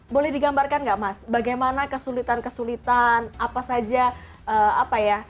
boleh digambarkan nggak mas bagaimana kesulitan kesulitan apa saja apa ya